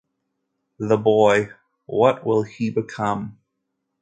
The boy — what will he become?